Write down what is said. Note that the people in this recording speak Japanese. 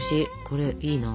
これいいな。